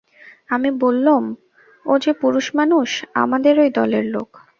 আমি বললুম, ও যে পুরুষমানুষ, আমাদেরই দলের লোক।